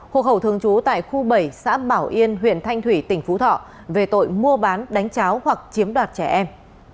hộ khẩu thường trú tại khu bảy xã bảo yên huyện thanh thủy tỉnh phú thọ về tội mua bán đánh cháo hoặc chiếm đoạt trẻ em